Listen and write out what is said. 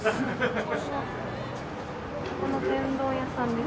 ここの天丼屋さんです。